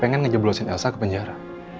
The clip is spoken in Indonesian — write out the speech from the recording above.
pengen ngejeblosin elsa ke penjara